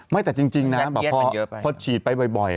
ไม่แต่จริงนะแบบพอฉีดไปบ่อย